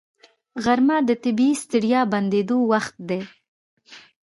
غرمه د طبیعي ستړیا بندېدو وخت دی